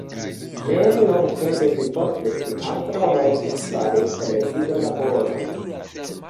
Ne longtempe pliposte ŝi ankaŭ rajtis fari televidolaborojn.